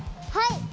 はい！